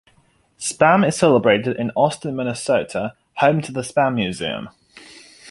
Spam is celebrated in Austin, Minnesota, home to the Spam Museum.